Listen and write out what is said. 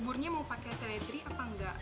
umurnya mau pakai seledri apa enggak